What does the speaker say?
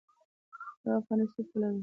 یوه افغانۍ څو پوله ده؟